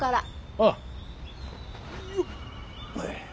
ああ。